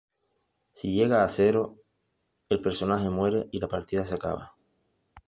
Si llega a cero, el personaje muere y la partida se acaba.